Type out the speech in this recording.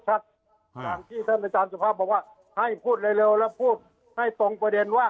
อย่างที่ท่านอาจารย์สุภาพบอกว่าให้พูดเร็วแล้วพูดให้ตรงประเด็นว่า